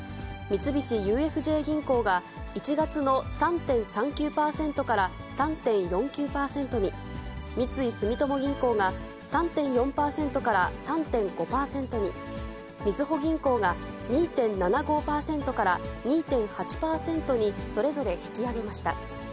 三菱ＵＦＪ銀行が、１月の３．３９％から３．４９％に、三井住友銀行が３．４％から３．５％に、みずほ銀行が２．７５％から２．８％に、それぞれ引き上げました。